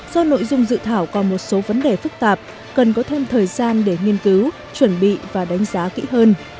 do nội dung dự thảo còn một số vấn đề phức tạp cần có thêm thời gian để nghiên cứu chuẩn bị và đánh giá kỹ hơn